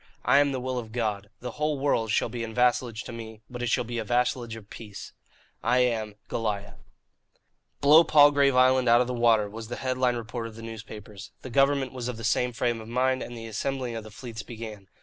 I am the will of God. The whole world shall be in vassalage to me, but it shall be a vassalage of peace. "I am "GOLIAH." "Blow Palgrave Island out of the water!" was the head line retort of the newspapers. The government was of the same frame of mind, and the assembling of the fleets began.